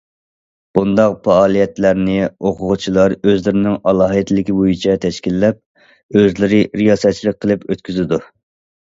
بۇنداق پائالىيەتلەرنى ئوقۇغۇچىلار ئۆزلىرىنىڭ ئالاھىدىلىكى بويىچە تەشكىللەپ، ئۆزلىرى رىياسەتچىلىك قىلىپ ئۆتكۈزىدۇ.